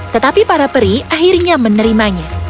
tetapi para peri akhirnya menerimanya